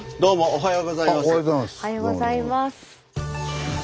おはようございます。